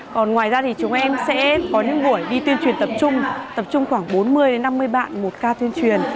còn ngoài ra thì chúng em sẽ có những buổi đi tuyên truyền tập trung tập trung khoảng bốn mươi năm mươi bạn một ca tuyên truyền